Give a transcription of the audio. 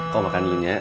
kalau makan dulu nya